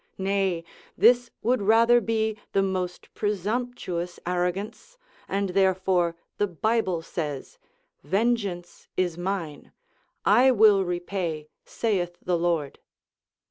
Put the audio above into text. Nay, this would rather be the most presumptuous arrogance; and therefore the Bible says, "Vengeance is mine; I will repay, saith the Lord."